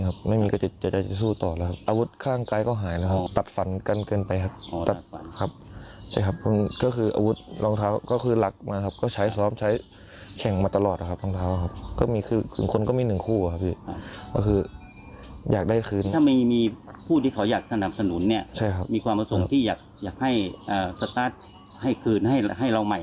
ถ้ามีผู้ที่เขาอยากสนับสนุนนี่มีความผสมที่อยากให้สตาร์ทให้คืนให้เราใหม่